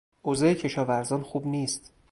اوضاع کشاورزان خوب نیست.